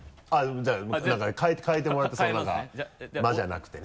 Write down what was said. じゃあ何か変えてもらって「ま」じゃなくてね。